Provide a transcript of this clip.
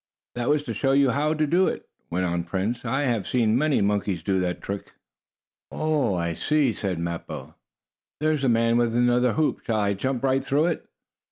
"That was to show you how to do it," went on Prince. "I have seen many monkeys do that trick." "Oh, I see," said Mappo. "There's the man with another hoop. Shall I jump right through it?"